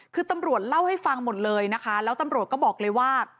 คือตำรวจเล่าให้ฟังหมดเลยนะคะแล้วตำรวจก็บอกเลยว่า